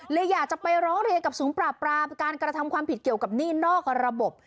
อยากจะไปร้องเรียนกับศูนย์ปราบปรามการกระทำความผิดเกี่ยวกับหนี้นอกระบบ